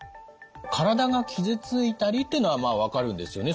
「身体が傷ついたり」というのはまあ分かるんですよね。